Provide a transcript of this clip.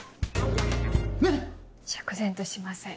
ねっ⁉釈然としません。